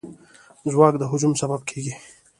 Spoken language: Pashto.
ځواک د هجوم سبب کېږي.